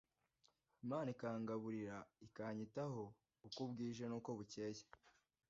Imana ikangaburira ikanyitaho uko bwije n’uko bucyeye